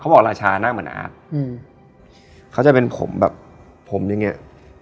บอกราชาหน้าเหมือนอาอืมเขาจะเป็นผมแบบผมอย่างเงี้ย